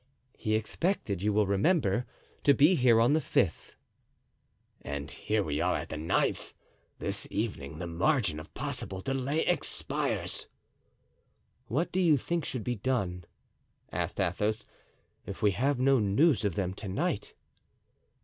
"He expected, you will remember, to be here on the fifth." "And here we are at the ninth. This evening the margin of possible delay expires." "What do you think should be done," asked Athos, "if we have no news of them to night?"